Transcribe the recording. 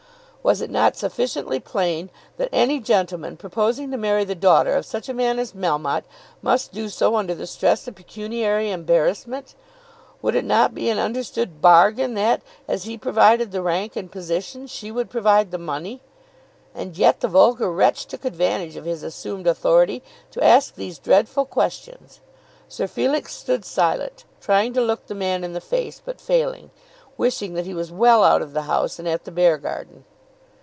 Was it not sufficiently plain that any gentleman proposing to marry the daughter of such a man as Melmotte, must do so under the stress of pecuniary embarrassment? Would it not be an understood bargain that as he provided the rank and position, she would provide the money? And yet the vulgar wretch took advantage of his assumed authority to ask these dreadful questions! Sir Felix stood silent, trying to look the man in the face, but failing; wishing that he was well out of the house, and at the Beargarden.